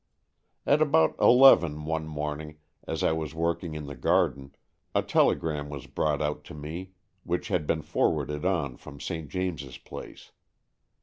At about eleven one morning, as I was working in the garden, a telegram was brought out to me which had been forwarded on from St. James's Place.